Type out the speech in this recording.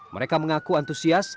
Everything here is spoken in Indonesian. mereka mengaku antusias